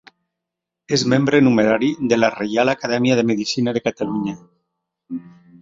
És membre numerari de la Reial Acadèmia de Medicina de Catalunya.